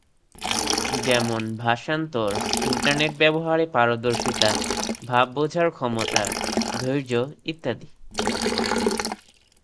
যেমনঃ ভাষান্তর, ইন্টারনেট ব্যবহারে পারদর্শিতা, ভাব বোঝার ক্ষমতা, ধৈর্য ইত্যাদি।